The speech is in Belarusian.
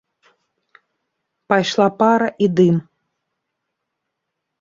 Пайшла пара і дым.